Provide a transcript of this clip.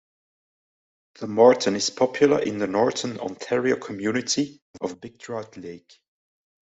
The marten is popular in the northern Ontario community of Big Trout Lake.